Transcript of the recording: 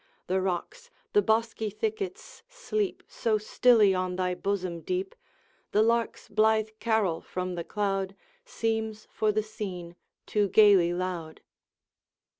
The rocks, the bosky thickets, sleep So stilly on thy bosom deep, The lark's blithe carol from the cloud Seems for the scene too gayly loud.